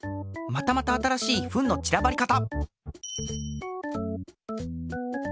またまた新しいフンのちらばり方！